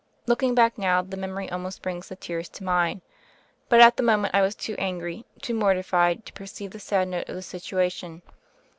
Looking back now, the memory almost brings the tears to mine. But at the mo ment I was too angry, too mortified, to per ceive the sad note of the situation.